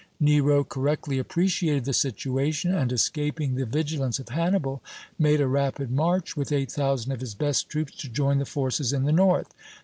Nero correctly appreciated the situation, and, escaping the vigilance of Hannibal, made a rapid march with eight thousand of his best troops to join the forces in the north.